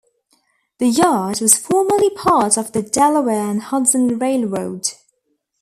The yard was formerly part of the Delaware and Hudson Railroad.